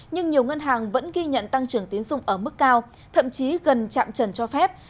nhưng nhiều ngân hàng vẫn ghi nhận tăng trưởng tiến dụng ở mức cao thậm chí gần chạm trần cho phép